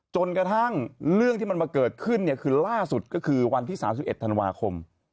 จนกระทั่งเรื่องที่มันมาเกิดขึ้นคือล่าสุดก็คือวันที่๓๑ธันวาคม